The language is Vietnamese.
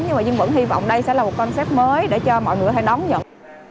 nhưng mà vẫn hy vọng đây sẽ là một concept mới để cho mọi người có thể đóng nhận